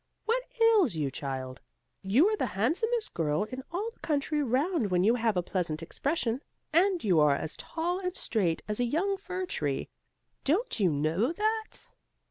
What ails you, child? You are the handsomest girl in all the country round when you have a pleasant expression; and you are as tall and straight as a young fir tree. Don't you know that?"